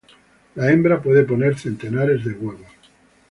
La hembra puede poner centenares de huevos.